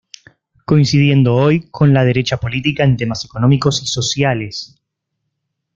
Coincidiendo hoy con la derecha política en temas económicos y sociales.